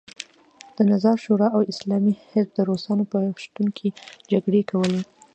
د نظار شورا او اسلامي حزب د روسانو په شتون کې جګړې کولې.